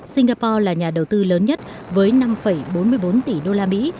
singapore là nhà đầu tư lớn nhất với năm bốn mươi bốn tỷ đô la mỹ